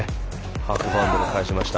ハーフバウンドで返しました。